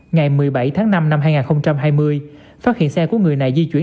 ngày một mươi bảy tháng năm năm hai nghìn hai mươi phát hiện xe của người này di chuyển